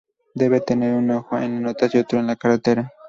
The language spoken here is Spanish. Debe tener un ojo en las notas y otro en la carretera.